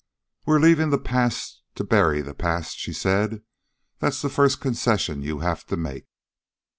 "We're leaving the past to bury the past," she said. "That's the first concession you have to make."